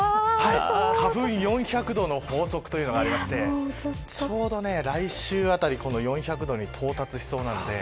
花粉、４００度の法則というのがありましてちょうど来週あたり、４００度に到達しそうなので。